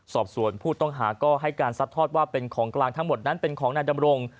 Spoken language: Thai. สอบส่วนผู้ต้องหาก็ให้การซัดทอดว่าเป็นของกลางทั้งหมดนั้นเป็นของนายดำรง